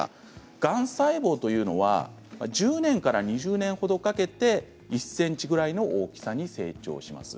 がん細胞１０年から２０年ほどかけて１ｃｍくらいの大きさに成長します。